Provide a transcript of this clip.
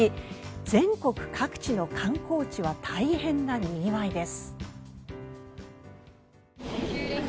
全国各地の観光地は大変なにぎわいです。